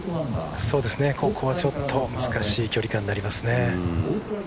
ここはちょっと難しい距離感になりますね。